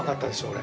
俺。